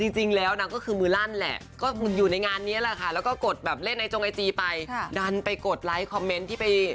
จริงแล้วนางก็คือมือลั่นแหละก็อยู่ในงานนี้แหละค่ะแล้วก็กดแบบเล่นในจงไอจีไปดันไปกดไลค์คอมเมนต์ที่ไป